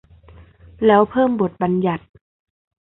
แล้วเพิ่มบทบัญญัติ